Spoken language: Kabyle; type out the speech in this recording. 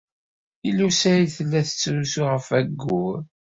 Lila u Saɛid tella tettrusu ɣef wayyur.